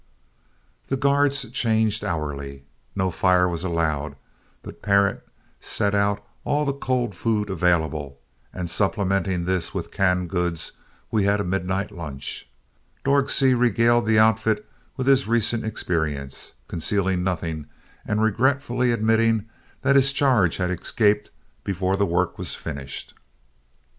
'" The guards changed hourly. No fire was allowed, but Parent set out all the cold food available, and supplementing this with canned goods, we had a midnight lunch. Dorg Seay regaled the outfit with his recent experience, concealing nothing, and regretfully admitting that his charge had escaped before the work was finished.